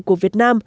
của việt nam